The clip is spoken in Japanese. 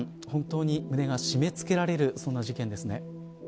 本当に胸が締めつけられるそんな事件ですね。